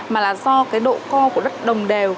mà do độ co của đất đồng đều